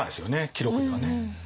記録にはね。